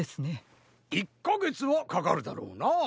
１かげつはかかるだろうなあ。